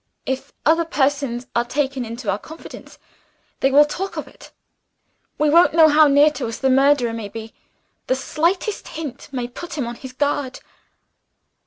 If other persons are taken into our confidence, they will talk of it. We don't know how near to us the murderer may be. The slightest hint may put him on his guard."